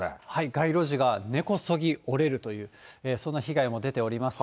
街路樹が根こそぎ折れるという、そんな被害も出ております。